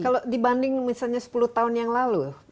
kalau dibanding misalnya sepuluh tahun yang lalu